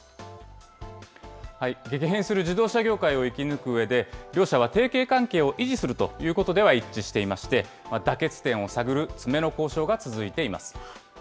激変する自動車業界を生き抜くうえで、両社は提携関係を維持するということでは一致していまして、妥結点を探る詰めの交渉が続いています。